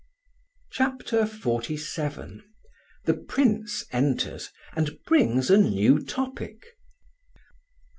CHAPTER XLVII THE PRINCE ENTERS, AND BRINGS A NEW TOPIC.